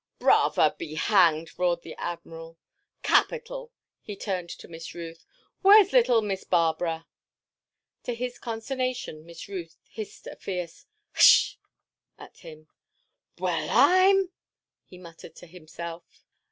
"Brava be hanged!" roared the Admiral. "Capital!" He turned to Miss Ruth. "Where's little Miss Barbara?" To his consternation Miss Ruth hissed a fierce "Hsssh!" at him. "Well, I 'm—!" he muttered to himself.